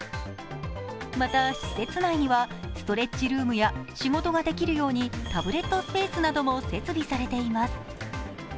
また、施設内にはストレッチルームや仕事ができるようにタブレットスペースなども設備されています。